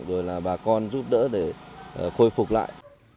rồi là bà con giúp đỡ để khôi phục lại